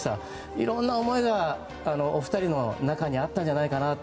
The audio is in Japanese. いろんな思いがお二人の中にあったんじゃないかなって